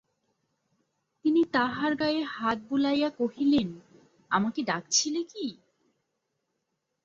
তিনি তাহার গায়ে হাত বুলাইয়া কহিলেন, আমাকে ডাকছিলে কি?